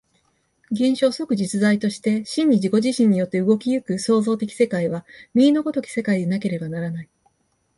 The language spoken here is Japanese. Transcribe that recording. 現象即実在として真に自己自身によって動き行く創造的世界は、右の如き世界でなければならない。